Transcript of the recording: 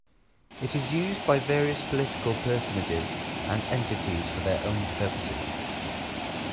It is used by various political personages and entities for their own purposes.